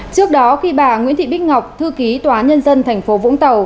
trước đó khi bà nguyễn thị bích ngọc thư ký tòa nhân dân tp vũng tàu